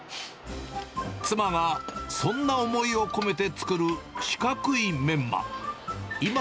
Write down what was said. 妻がそんな思いを込めて作る四角いメンマ。